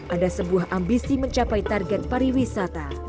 ada sebuah ambisi mencapai target pariwisata